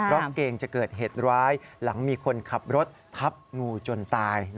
เพราะเกรงจะเกิดเหตุร้ายหลังมีคนขับรถทับงูจนตาย